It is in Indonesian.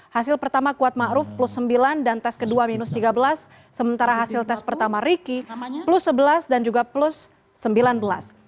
hasil pertama kuat ⁇ maruf ⁇ plus sembilan dan tes kedua minus tiga belas sementara hasil tes pertama riki plus sebelas dan juga plus sembilan belas